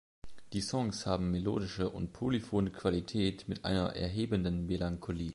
Die Songs haben melodische und polyphone Qualität mit einer erhebenden Melancholie.